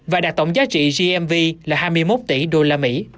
và đạt tổng giá trị gmv là hai mươi một tỷ usd